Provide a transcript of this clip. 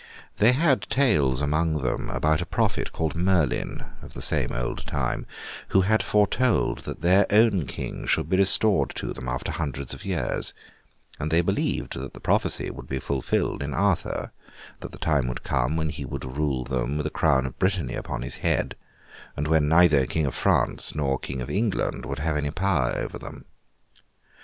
They had tales among them about a prophet called Merlin (of the same old time), who had foretold that their own King should be restored to them after hundreds of years; and they believed that the prophecy would be fulfilled in Arthur; that the time would come when he would rule them with a crown of Brittany upon his head; and when neither King of France nor King of England would have any power over them.